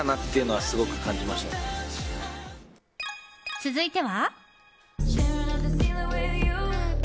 続いては。